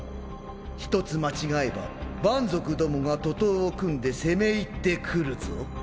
一つ間違えば蛮族どもが徒党を組んで攻め入ってくるぞ。